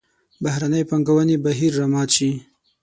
بهرنۍ پانګونې بهیر را مات شي.